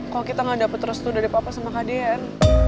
kalo kita ga dapet restu dari papa sama kak deen